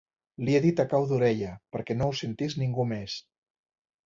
Li he dit a cau d'orella, perquè no ho sentís ningú més.